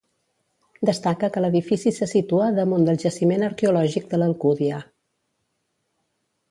Destaca que l'edifici se situa damunt del jaciment arqueològic de l'Alcúdia.